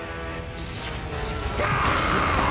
ああ！